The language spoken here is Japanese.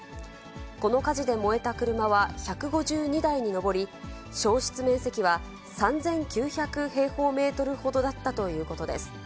この火事で燃えた車は１５２台に上り、焼失面積は、３９００平方メートルほどだったということです。